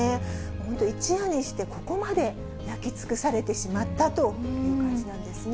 本当、一夜にしてここまで焼き尽くされてしまったという感じなんですね。